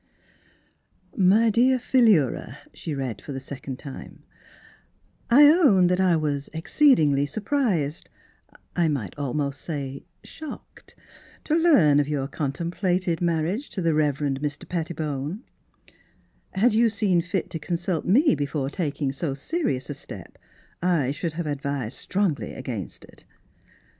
" My dear Philura," — she read for the second time —" I own that I was ex ceedingly surprised, I might almost say [ 4 ] Miss Philura's Wedding Gown shocked to learn of your contemplated marriage to the Reverend Mr. Pettibone. Had 3'ou seen fit to consult me before tak ing so serious a step I should have advised strongly against it.